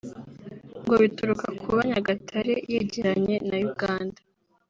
ngo bituruka kuba Nyagatare yegeranye na Uganda